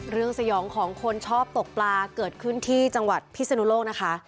สยองของคนชอบตกปลาเกิดขึ้นที่จังหวัดพิศนุโลกนะคะ